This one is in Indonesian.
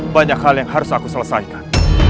banyak hal yang harus aku selesaikan